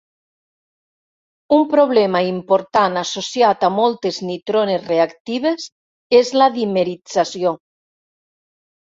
Un problema important associat a moltes nitrones reactives és la dimerització.